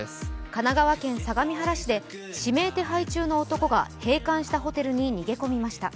神奈川県相模原市で指名手配中の男が閉館したホテルに逃げ込みました。